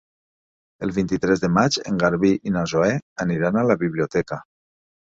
El vint-i-tres de maig en Garbí i na Zoè aniran a la biblioteca.